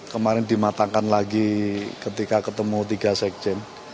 kemarin dimatangkan lagi ketika ketemu tiga sekjen